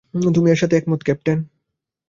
তুমি এর সাথে একমত, ক্যাপ্টেন?